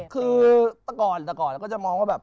คือตะกอนก็จะมองว่าแบบ